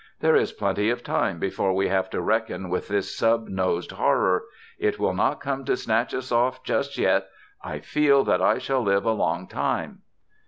"There is plenty of time before we have to reckon with this snub nosed horror. It will not come to snatch us off just yet! _I feel that I shall live a long time!